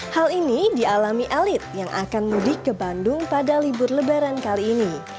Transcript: hal ini dialami elit yang akan mudik ke bandung pada libur lebaran kali ini